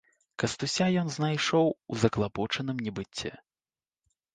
Кастуся ён знайшоў у заклапочаным небыце.